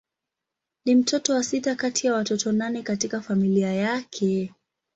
Ni mtoto wa sita kati ya watoto nane katika familia yake.